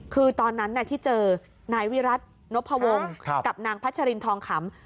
คือตอนนั้นที่เจอนายวิรัตินพวงกับนางพัชรินทองขำ